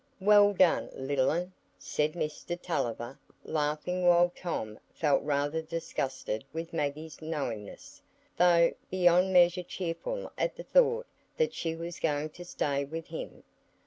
"Well done, little 'un," said Mr Tulliver, laughing, while Tom felt rather disgusted with Maggie's knowingness, though beyond measure cheerful at the thought that she was going to stay with him.